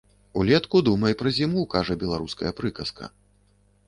Улетку думай пра зіму, кажа беларуская прыказка.